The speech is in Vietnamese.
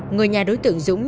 người nhà đối tượng dũng